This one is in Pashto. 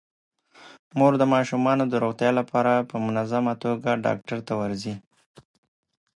مور د ماشومانو د روغتیا لپاره په منظمه توګه ډاکټر ته ورځي.